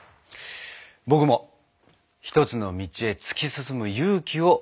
僕も一つの道へ突き進む勇気をもらった気がします。